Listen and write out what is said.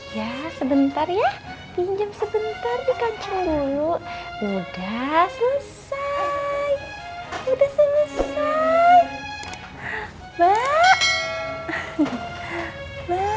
ya sebentar ya pinjam sebentar dikacau dulu udah selesai udah selesai